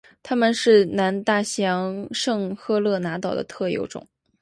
它们是南大西洋圣赫勒拿岛的特有种。